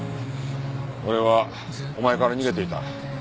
俺はお前から逃げていた。